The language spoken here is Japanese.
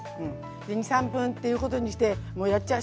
で２３分っていうことにしてもうやっちゃう。